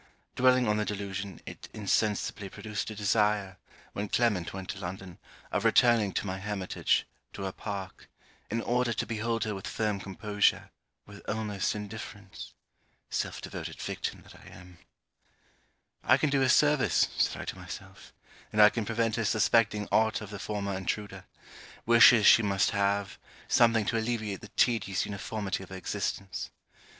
Dwelling on the delusion, it insensibly produced a desire, when Clement went to London, of returning to my hermitage, to her park, in order to behold her with firm composure, with almost indifference. Self devoted victim that I am. 'I can do her service,' said I to myself; 'and I can prevent her suspecting aught of the former intruder. Wishes she must have; something to alleviate the tedious uniformity of her existence.'